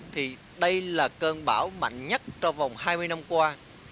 thì đây là cơn bão mạnh nhất trong vòng hai mươi năm qua